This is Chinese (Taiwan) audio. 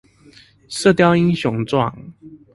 射鵰英雄傳